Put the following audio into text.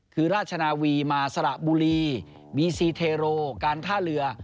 คือราชนาวีมาสระบุรีบีซีเทโรการท่าเรือ